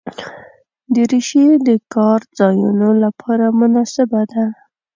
دریشي د کار ځایونو لپاره مناسبه ده.